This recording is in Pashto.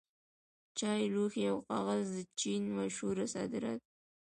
چای، لوښي او کاغذ د چین مشهور صادرات وو.